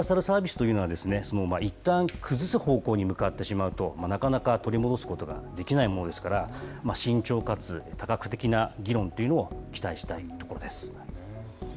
このユニバーサルサービスというのは、いったん崩す方向に向かってしまうと、なかなか取り戻すことができないものですから、慎重かつ多角的な議論というのを期待したいところです。